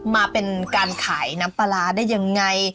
มาเป็นการขายน้ำปลาร้าได้ยังไง